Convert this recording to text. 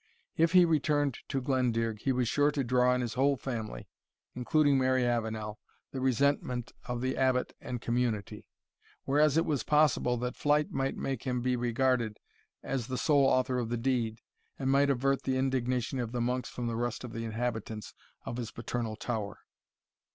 If he returned to Glendearg, he was sure to draw on his whole family, including Mary Avenel, the resentment of the Abbot and community, whereas it was possible that flight might make him be regarded as the sole author of the deed, and might avert the indignation of the monks from the rest of the inhabitants of his paternal tower.